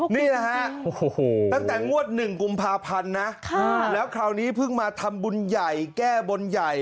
นี่นะฮะตั้งแต่งวด๑กุมภาพันธ์นะแล้วคราวนี้เพิ่งมาทำบุญใหญ่แก้บนใหญ่